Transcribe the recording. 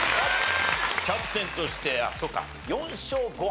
キャプテンとしてそうか４勝５敗。